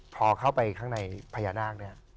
พอเข้าไปข้างในพญานาคเนี่ย